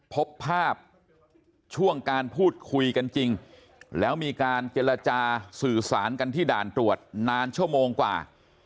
พบภาพช่วงการพูดคุยกันจริงแล้วมีการเจรจาสื่อสารกันที่ด่านตรวจนานชั่วโมงกว่า